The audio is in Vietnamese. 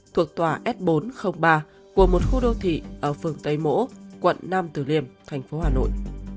thuộc tòa s bốn trăm linh ba của một khu đô thị ở phường tây mỗ quận năm tử liềm thành phố hà nội